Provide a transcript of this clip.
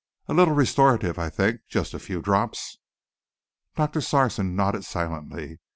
A little restorative, I think just a few drops." Doctor Sarson nodded silently.